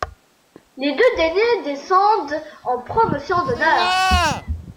Les deux derniers descendent en Promotion d'Honneur.